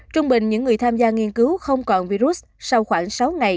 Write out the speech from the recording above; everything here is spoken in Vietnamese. trung bình những người tham gia nghiên cứu không còn virus sau khoảng sáu ngày